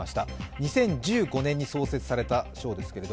２０１５年に創設された賞ですけど。